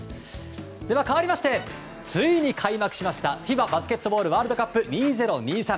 では、かわりましてついに開幕したＦＩＢＡバスケットボールワールドカップ２０２３。